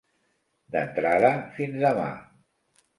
D'entrada, fins demà.